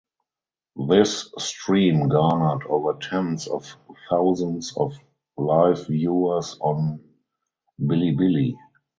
This stream garnered over tens of thousands of live viewers on bilibili.